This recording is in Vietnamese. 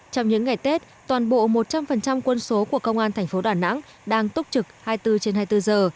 trong những ngày tết toàn bộ một trăm linh quân số của công an thành phố đà nẵng đang túc trực hai mươi bốn trên hai mươi bốn giờ